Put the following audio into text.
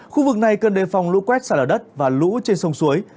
khu vực này cần đề phòng lũ quét xả lở đất và lũ trên sông suối